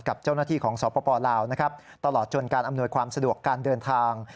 กับเจ้าหน้าที่ของสปลาวนะครับตลอดจนการอำนวยความสะดวกการเดินทาง